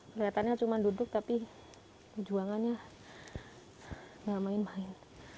sebenarnya hanya duduk tapi perjuangannya tidak bermain main